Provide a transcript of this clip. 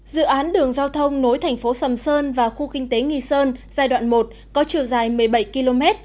dự án đường giao thông nối thành phố sầm sơn và khu kinh tế nghi sơn giai đoạn một có chiều dài một mươi bảy km